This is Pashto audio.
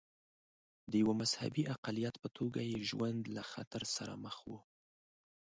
د یوه مذهبي اقلیت په توګه یې ژوند له خطر سره مخ و.